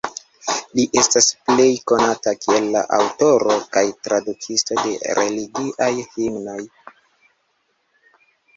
Li estas plej konata kiel la aŭtoro kaj tradukisto de religiaj himnoj.